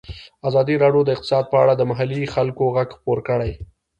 ازادي راډیو د اقتصاد په اړه د محلي خلکو غږ خپور کړی.